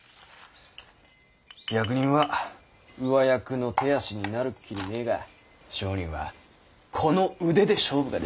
役人は上役の手足になるっきりねぇが商人はこの腕で勝負ができる。